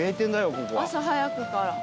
岡副：朝早くから。